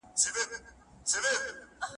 زما ځواني لاړه په تلو شوه ته به کله راځې